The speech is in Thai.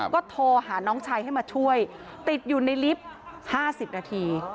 ก็โทรหาน้องชายให้มาช่วยติดอยู่ในลิฟต์๕๐นาที